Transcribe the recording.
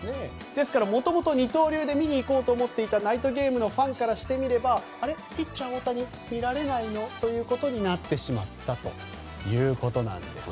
ですから、もともと二刀流で見に行こうとしていたナイトゲームのファンからするとあれ、ピッチャー大谷見られないのということになってしまったということです。